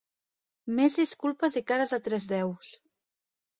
Més disculpes i cares de tres déus.